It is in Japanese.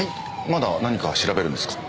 まだ何か調べるんですか？